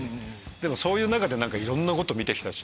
でもそういう中でいろんなことを見てきたし。